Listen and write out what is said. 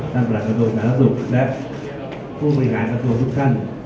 ท่านประหลักประโยชน์ศาลศุกร์และผู้บริหารประโยชน์ทุกท่าน